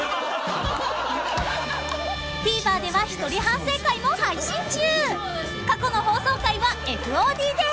［ＴＶｅｒでは一人反省会も配信中］